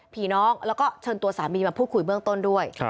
ผีน้องแล้วก็เชิญตัวสามีมาพูดคุยเบื้องต้นด้วย